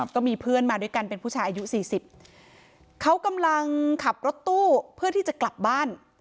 ก็มีเพื่อนมาด้วยกันเป็นผู้ชายอายุสี่สิบเขากำลังขับรถตู้เพื่อที่จะกลับบ้าน